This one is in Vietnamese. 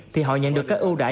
thì họ nhận được các ưu đại